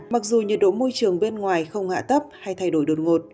mặc dù nhiệt độ môi trường bên ngoài không hạ thấp hay thay đổi đột ngột